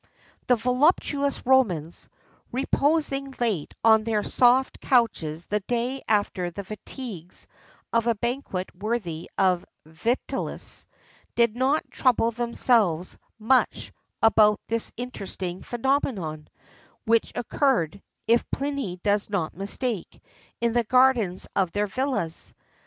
[XIII 72] The voluptuous Romans, reposing late on their soft couches the day after the fatigues of a banquet worthy of Vitellius, did not trouble themselves much about this interesting phenomenon, which occurred, if Pliny does not mistake, in the gardens of their villas.